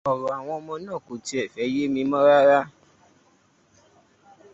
Ọ̀rọ̀ àwọn ọmọ náà kò tiẹ̀ fẹ́ yé wa mọ́ rárá ni.